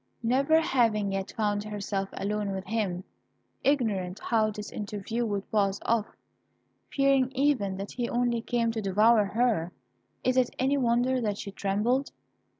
Never having yet found herself alone with him, ignorant how this interview would pass off, fearing even that he only came to devour her, is it any wonder that she trembled?